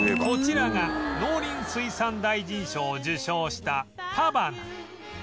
こちらが農林水産大臣賞を受賞したパバナ